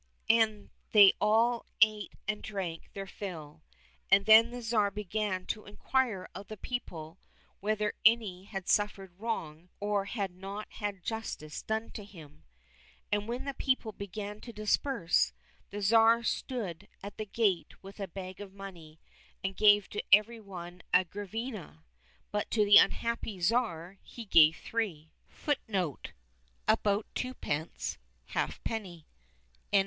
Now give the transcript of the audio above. And they all ate and drank their fill, and then the Tsar began to inquire of the people whether any had suffered wrong or had not had justice done him. And when the people began to disperse, the Tsar stood at the gate with a bag of money, and gave to every one a grivna^ but to the unhappy Tsar he gave three.